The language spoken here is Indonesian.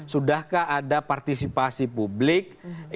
sudahkah ada partisipasi publik